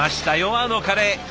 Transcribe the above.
あのカレー！